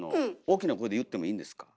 大きな声で言ってもいいんですか？